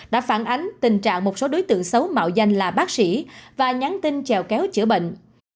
đã phản ánh tình trạng một số đối tượng xấu mạo danh là bác sĩ và nhắn tin chèo kéo chữa bệnh